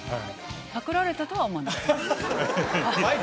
パクられたとは思わなかった？